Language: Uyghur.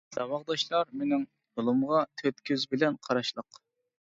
ساۋاقداشلار مېنىڭ يولۇمغا تۆت كۆزى بىلەن قاراشلىق.